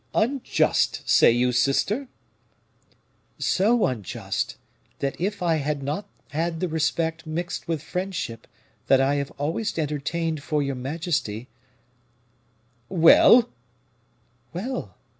"Unjust, say you, sister?" "So unjust, that if I had not had the respect mixed with friendship that I have always entertained for your majesty " "Well!" "Well!